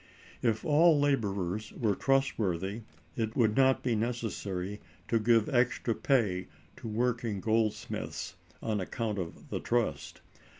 If all laborers were trustworthy, it would not be necessary to give extra pay to working goldsmiths on account of the trust.